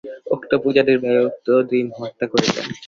উক্ত পূজাদির ব্যয়ও উক্ত দুই মহাত্মা করিতেন।